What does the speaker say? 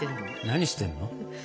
何してるの？